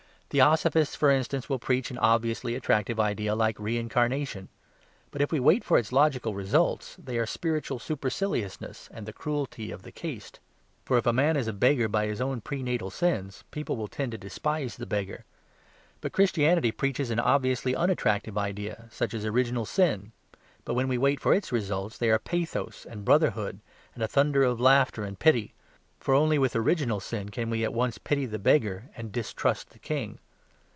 Theosophists for instance will preach an obviously attractive idea like re incarnation; but if we wait for its logical results, they are spiritual superciliousness and the cruelty of caste. For if a man is a beggar by his own pre natal sins, people will tend to despise the beggar. But Christianity preaches an obviously unattractive idea, such as original sin; but when we wait for its results, they are pathos and brotherhood, and a thunder of laughter and pity; for only with original sin we can at once pity the beggar and distrust the king.